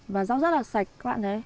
và rau rất là sạch các bạn thấy